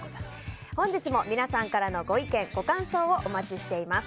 本日も皆さんからのご意見、ご感想をお待ちしています。